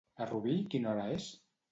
A Rubí quina hora és?